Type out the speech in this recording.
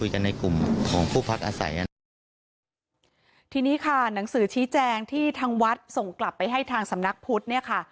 หนังสือชี้แจงที่ทางวัดส่งกลับไปให้ทางสำนักพุทธ